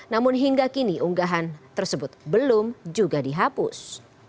namun hingga kini unggahan tersebut belum juga dihapus